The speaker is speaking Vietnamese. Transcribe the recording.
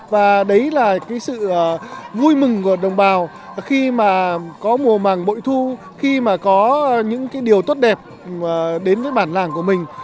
và đấy là cái sự vui mừng của đồng bào khi mà có mùa màng bội thu khi mà có những cái điều tốt đẹp đến với bản làng của mình